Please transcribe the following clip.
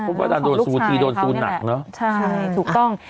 เพราะว่าโดนสูตรทีโดนสูตรหนักเนอะใช่ถูกต้อง